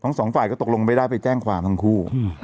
สองฝ่ายก็ตกลงไม่ได้ไปแจ้งความทั้งคู่